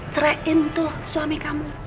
cerahin tuh suami kamu